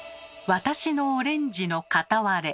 「私のオレンジの片割れ」？